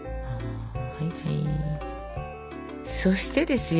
そしてですよ